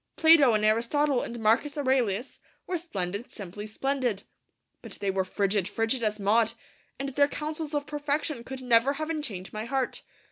Plato and Aristotle and Marcus Aurelius were splendid, simply splendid; but they were frigid, frigid as Maud, and their counsels of perfection could never have enchained my heart.